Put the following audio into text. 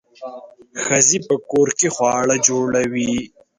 ښځې په کور کې خواړه جوړوي.